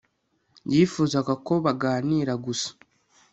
yifuzaga ko baganira gusa